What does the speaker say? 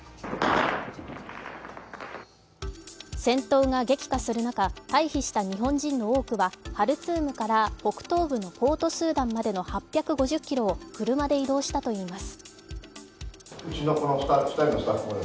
戦闘が激化する中、退避した日本人の多くはハルツームから北東部のポートスーダンまでの８５０ｋｍを車で移動したといいます。